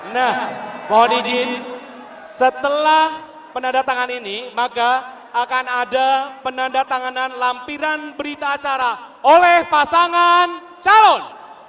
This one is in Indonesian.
nah mohon izin setelah penandatangan ini maka akan ada penanda tanganan lampiran berita acara oleh pasangan calon